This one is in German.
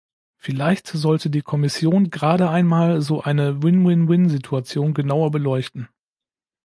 Vielleicht sollte die Kommission gerade einmal so eine Win-Win-Win-Situation genauer beleuchten.